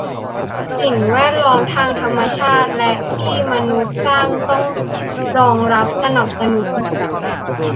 สิ่งแวดล้อมทั้งทางธรรมชาติและที่มนุษย์สร้างต้องรองรับสนับสนุน